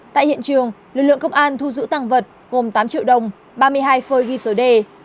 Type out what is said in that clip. tại hiện trường lực lượng công an thu giữ tăng vật gồm tám triệu đồng ba mươi hai phơi ghi số đề